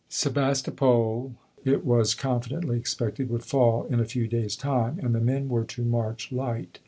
Sebastopol, it was confidently expected, would fall in a few days' time, and the men were to march light.